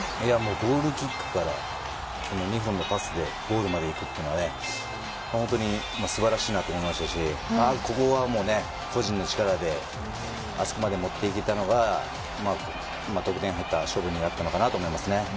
ゴールキックから２本のパスでゴールまで行くというのは本当に素晴らしいなと思いましたしここは個人の力であそこまで持っていけたのが得点が入った要因になったと思います。